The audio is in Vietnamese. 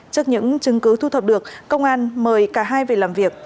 trước những chứng cứ thu thập được công an mời cả hai về làm việc